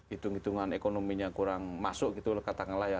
hitung hitungan ekonominya kurang masuk gitu katakanlah ya